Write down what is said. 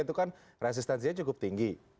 itu kan resistensinya cukup tinggi